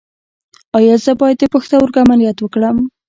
ایا زه باید د پښتورګو عملیات وکړم؟